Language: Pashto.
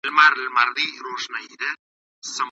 ملکیت د انسان د ژوند د ښکلا برخه ده.